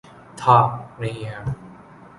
تھا، نہیں ہے۔